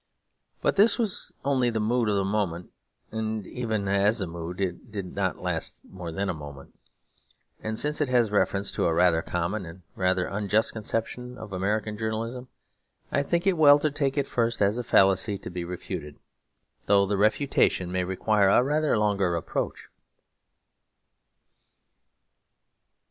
But this was only the mood of the moment, and even as a mood did not last more than a moment. And since it has reference to a rather common and a rather unjust conception of American journalism, I think it well to take it first as a fallacy to be refuted, though the refutation may require a rather longer approach.